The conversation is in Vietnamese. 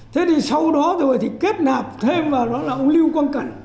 thế thì sau đó tôi rồi thì kết nạp thêm vào đó là ông lưu quang cẩn